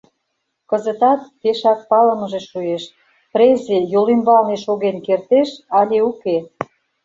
Кызытат пешак палымыже шуэш: презе йол ӱмбалне шоген кертеш але уке.